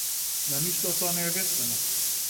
Но ништо од тоа не е вистина.